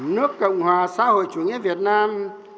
nước cộng hòa xã hội chủ nghĩa việt nam mưa năm